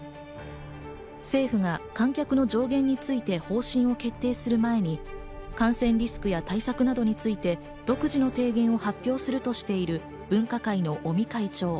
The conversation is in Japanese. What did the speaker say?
政府が観客の上限について方針を決定する前に感染リスクや対策などについて独自の提言を発表するとしている分科会の尾身会長。